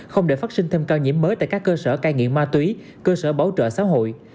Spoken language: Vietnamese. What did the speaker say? không để phát sinh thêm ca nhiễm mới tại các cơ sở cai nghiện ma túy cơ sở bảo trợ xã hội